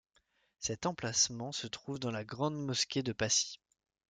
Cette enplacement se trouve dans la grande mosquée de Passy.